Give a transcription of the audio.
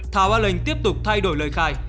thảo an lệnh tiếp tục thay đổi lời khai